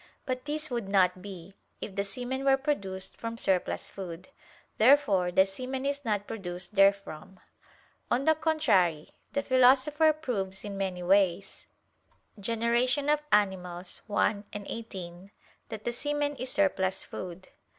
But this would not be, if the semen were produced from surplus food. Therefore the semen is not produced therefrom. On the contrary, The Philosopher proves in many ways (De Gener. Animal. i, 18) that "the semen is surplus food."